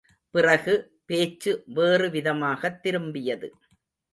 பிறகு பேச்சு வேறு விதமாகத் திரும்பியது.